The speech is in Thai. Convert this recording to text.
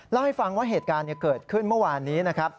เล่าให้ฟังว่าเหตุการณ์เกิดขึ้นเมื่อวานนี้นะครับ